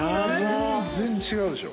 全然違うでしょ？